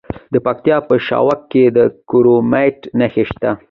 د پکتیا په شواک کې د کرومایټ نښې شته.